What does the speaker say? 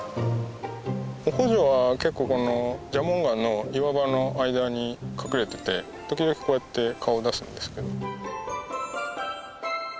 オコジョは結構この蛇紋岩の岩場の間に隠れてて時々こうやって顔出すんですけど。